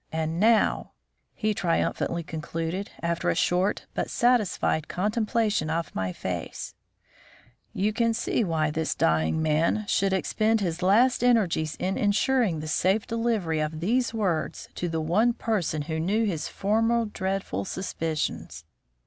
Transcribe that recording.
And now," he triumphantly concluded, after a short but satisfied contemplation of my face, "you can see why this dying man should expend his last energies in insuring the safe delivery of these words to the one person who knew his former dreadful suspicions.